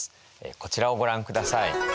こちらをご覧ください。